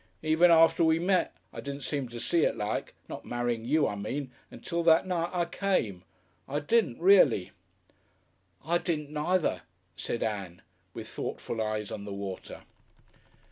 Even after we met, I didn't seem to see it like not marrying you I mean until that night I came. I didn't reely." "I didn't neither," said Ann, with thoughtful eyes on the water.